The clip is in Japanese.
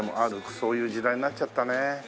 そういう時代になっちゃったね。